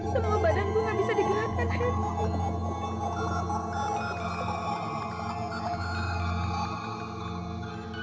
semua badanku nggak bisa digerakkan